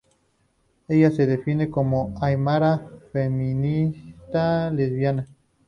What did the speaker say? Ella se define como "aymara feminista lesbiana".